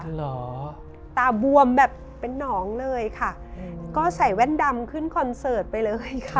เหรอตาบวมแบบเป็นหนองเลยค่ะก็ใส่แว่นดำขึ้นคอนเสิร์ตไปเลยค่ะ